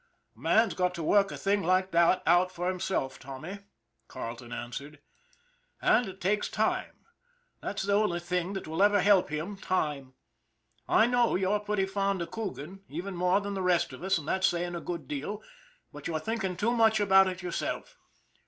" A man's got to work a thing like that out for him self, Tommy," Carleton answered, " and it takes time. 1 64 ON THE IRON AT BIG CLOUD That's the only thing that will ever help him time. I know you're pretty fond of Coogan, even more than the rest of us and that's saying a good deal, but you're thinking too much about it yourself."